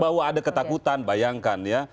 bahwa ada ketakutan bayangkan ya